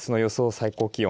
最高気温。